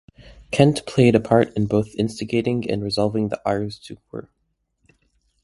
Kent played a part in both instigating and resolving the Aroostook War.